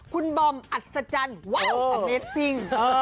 คุณบอมอัศจรรย์ว้าวอันเมตต์พิ่ง